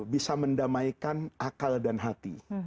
bisa mendamaikan akal dan hati